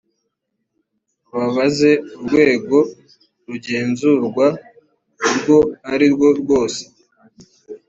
babaze urwego rugenzurwa urwo ari rwo rwose